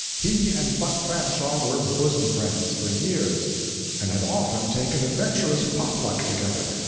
He and Buck Fanshaw were bosom friends, for years, and had often taken adventurous "pot luck" together.